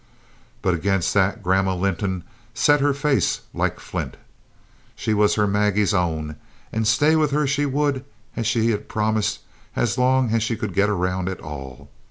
But against that Grandma Linton set her face like flint. She was her Maggie's own, and stay with her she would, as she had promised, as long as she could get around at all.